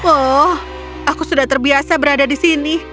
oh aku sudah terbiasa berada di sini